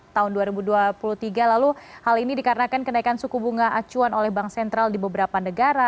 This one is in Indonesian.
tahun dua ribu dua puluh tiga lalu hal ini dikarenakan kenaikan suku bunga acuan oleh bank sentral di beberapa negara